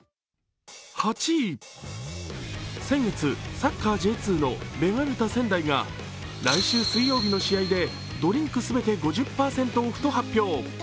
先月、サッカーＪ２のベガルタ仙台が来週水曜日の試合でドリンクすべて５０％オフと発表。